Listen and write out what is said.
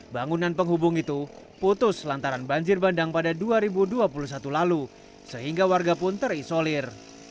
bangunan penghubung itu putus lantaran banjir bandang pada dua ribu dua puluh satu lalu sehingga warga pun terisolir